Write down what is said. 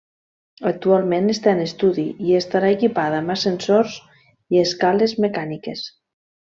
Actualment està en estudi, i estarà equipada amb ascensors i escales mecàniques.